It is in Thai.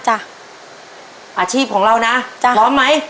อาชีพของเรานะจ๊ะพร้อมไหม